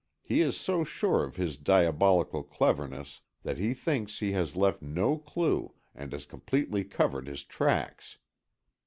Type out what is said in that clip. He is so sure of his diabolical cleverness, that he thinks he has left no clue and has completely covered his tracks!